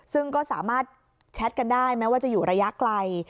ซึ่งก็สามารถแชทกันได้แม้ว่าจะอยู่ระยะไกล